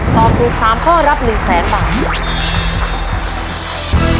ตอบถูก๓ข้อรับ๑แสนบาท